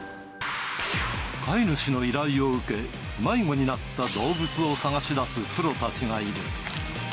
飼い主の依頼を受け、迷子になった動物を捜し出すプロたちがいる。